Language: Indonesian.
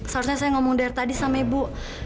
seharusnya saya ngomong dari tadi sama ibu